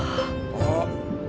「あっ！」